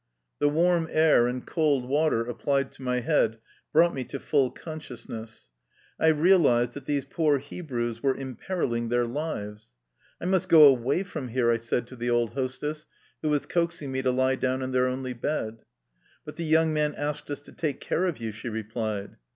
The warm air and cold water applied to my head brought me to full consciousness. I real ized that these poor Hebrews were imperiling their lives. " I must go away from here," I said to the old hostess who was coaxing me to lie down on their only bed. ^^ But the young man asked us to take care of you," she replied.